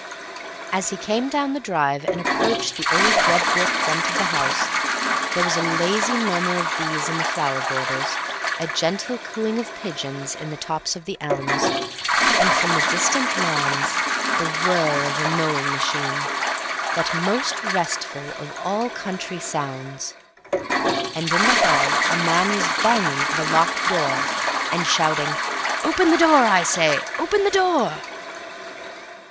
As he came down the drive and approached the old red brick front of the house, there was a lazy murmur of bees in the flower borders, a gentle cooing of pigeons in the tops of the elms, and from distant lawns the whir of a mowing machine, that most restful of all country sounds.... And in the hall a man was banging at a locked door, and shouting, "Open the door, I say; open the _door!